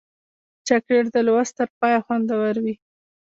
چاکلېټ د لوست تر پایه خوندور وي.